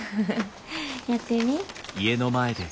やってみ。